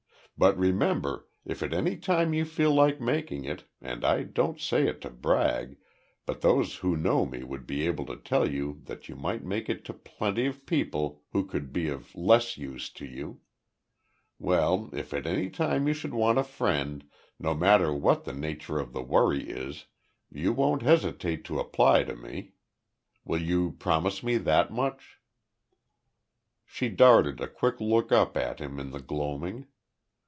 But remember if at any time you feel like making it and I don't say it to brag, but those who know me would be able to tell you that you might make it to plenty of people who could be of less use to you. Well, if at any time you should want a friend, no matter what the nature of the worry is, you won't hesitate to apply to me. Will you promise me that much?" She darted a quick look up at him in the gloaming.